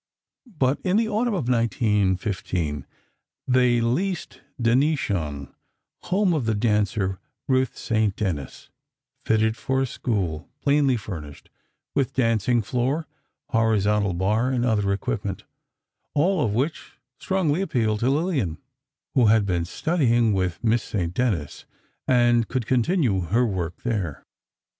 But in the autumn of 1915, they leased Denishawn, home of the dancer, Ruth St. Denis, fitted for a school, plainly furnished, with dancing floor, horizontal bar and other equipment, all of which strongly appealed to Lillian, who had been studying with Miss St. Denis, and could continue her work there.